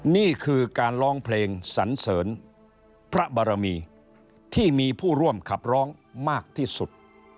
นี่คือการร้องเพลงสันเสริญพระบรมีที่มีผู้ร่วมขับร้องมากที่สุด